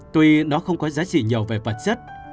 tuy nó không có giá trị nhiều về vật chất